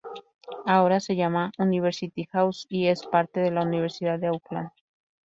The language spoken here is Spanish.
Ahora se llama "University House", y es parte de la Universidad de Auckland.